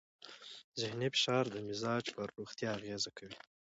ذهنې فشار د مزاج پر روغتیا اغېز کوي.